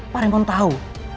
pak remon tau